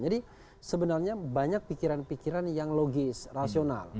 jadi sebenarnya banyak pikiran pikiran yang logis